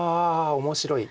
面白い。